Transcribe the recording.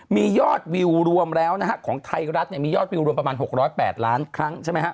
มียอดวิวรวมแล้วนะฮะของไทยรัฐมียอดวิวรวมประมาณ๖๐๘ล้านครั้งใช่ไหมฮะ